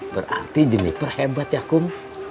berarti jeniper hebat ya kum